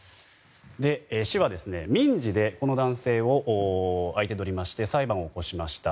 市は民事でこの男性を相手取りまして裁判を起こしました。